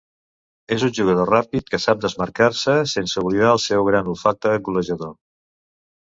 És un jugador ràpid que sap desmarcar-se, sense oblidar el seu gran olfacte golejador.